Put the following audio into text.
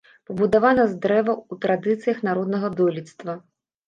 Пабудавана з дрэва ў традыцыях народнага дойлідства.